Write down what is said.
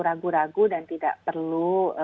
ragu ragu dan tidak perlu